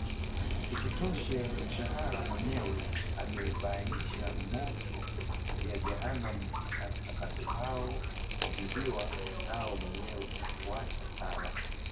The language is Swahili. Isitoshe, mshairi mwenyewe amebainisha moto wa Jahimu atakaoadhibiwa nao mwenye kuacha sala